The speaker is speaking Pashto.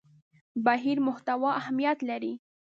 بهیر محتوا اهمیت لري.